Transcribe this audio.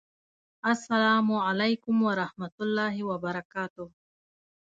السلام علیکم ورحمة الله وبرکاته!